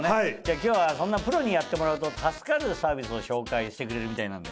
今日はそんなプロにやってもらうと助かるサービスを紹介してくれるみたいなんで。